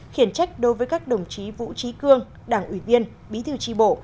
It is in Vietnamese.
khiển trách đối với các đồng chí vũ trí cương đảng ủy viên bí thư tri bộ